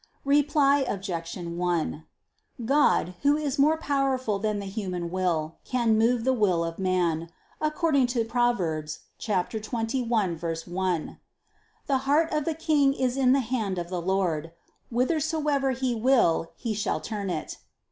Reply Obj. 1: God Who is more powerful than the human will, can move the will of man, according to Prov. 21:1: "The heart of the king is in the hand of the Lord; whithersoever He will He shall turn it."